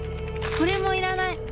これもいらない！